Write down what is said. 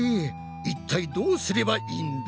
いったいどうすればいいんだ？